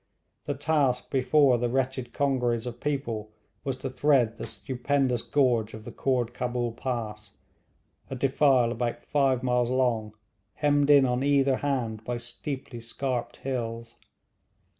The task before the wretched congeries of people was to thread the stupendous gorge of the Khoord Cabul pass a defile about five miles long, hemmed in on either hand by steeply scarped hills.